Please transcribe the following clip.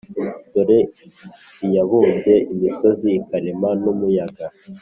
Dore iyabumbye imisozi ikarema n umuyaga